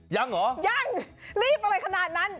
ยังเหรอยังรีบอะไรขนาดนั้น